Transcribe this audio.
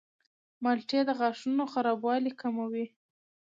مالټې د غاښونو خرابوالی کموي.